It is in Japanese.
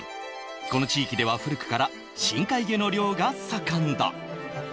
この地域では古くから、深海魚の漁が盛んだ。